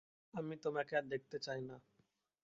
আমি তোমাকে আর দেখতে চাই না!